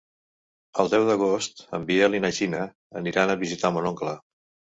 El deu d'agost en Biel i na Gina aniran a visitar mon oncle.